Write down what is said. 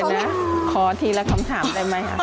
เดี๋ยวนะขอทีละคำถามได้ไหมครับ